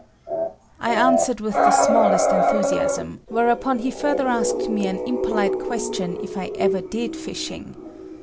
I answered with the smallest enthusiasm, whereupon he further asked me an impolite question if I ever did fishing.